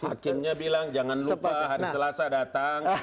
hakimnya bilang jangan lupa hari selasa datang